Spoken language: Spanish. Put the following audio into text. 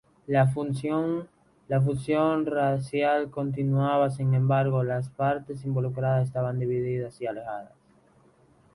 La fusión racial continuaba, sin embargo, las partes involucradas estaban divididas y alejadas.